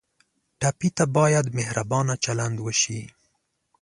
ټپي ته باید مهربانه چلند وشي.